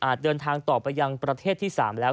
เดินทางต่อไปยังประเทศที่๓แล้ว